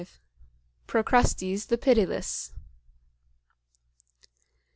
V. PROCRUSTES THE PITILESS.